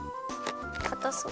かたそう。